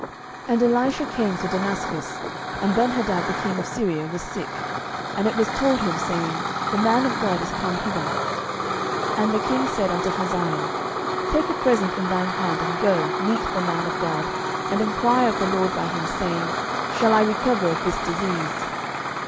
12:008:007 And Elisha came to Damascus; and Benhadad the king of Syria was sick; and it was told him, saying, The man of God is come hither. 12:008:008 And the king said unto Hazael, Take a present in thine hand, and go, meet the man of God, and enquire of the LORD by him, saying, Shall I recover of this disease?